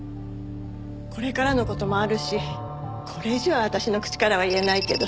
これからの事もあるしこれ以上は私の口からは言えないけど。